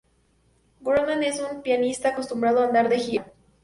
Goodman es un pianista acostumbrado a andar de gira.